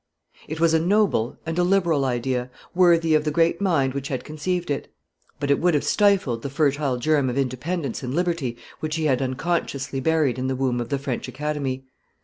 It was a noble and a liberal idea, worthy of the great mind which had conceived it; but it would have stifled the fertile germ of independence and liberty which he had unconsciously buried in the womb of the French Academy.